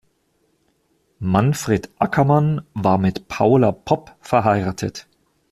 Manfred Ackermann war mit Paula Popp verheiratet.